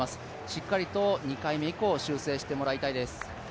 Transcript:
しっかりと２回目以降修正してもらいたいです。